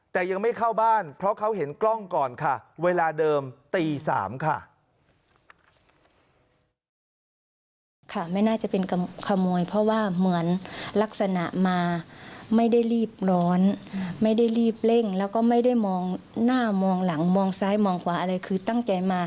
แต่ยังไม่เข้าบ้านเพราะเขาเห็นกล้องก่อนค่ะเวลาเดิมตี๓ค่ะ